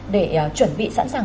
để chuẩn bị sẵn sàng